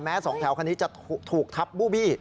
สองแถวคันนี้จะถูกทับบูบี้